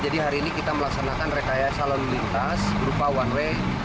kita sudah melaksanakan rekaya salon lintas berupa one way